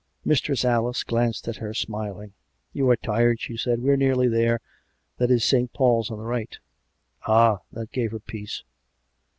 Mistress Alice glanced at her, smiling. " You are tired," she said ;" we are nearly there. That is St. Paul's on the right." Ah ! that gave her peace.